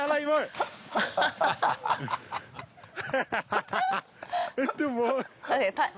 ハハハハ！